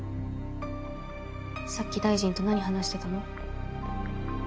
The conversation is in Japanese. さっき大臣と何話してたの？